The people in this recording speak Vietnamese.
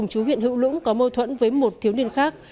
chú huyện hữu lũng có mâu thuẫn với một thiếu niên khác